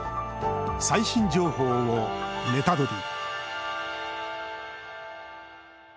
最新情報をネタドリ！